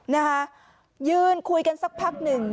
นะคะยืนคุยกันสักพักหนึ่ง